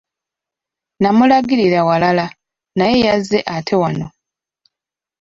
Namulagirira walala, naye yazze ate wano.